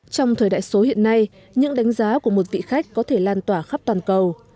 trong thời đại số hiện nay những đánh giá của một vị khách có thể lan tỏa khắp toàn cầu